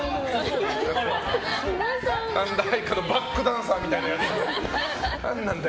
神田愛花のバックダンサーみたいなやつ。